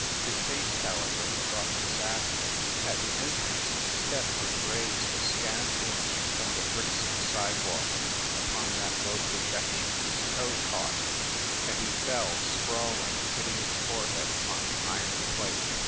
His haste, however, brought disaster. At the en trance a step was raised a scant inch from the bricks of the sidewalk, upon that low projection his toe caught, and he fell, sprawling, hitting his forehead upon the iron plate.